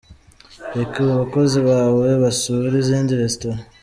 Reka abakozi bawe basure izindi restaurant .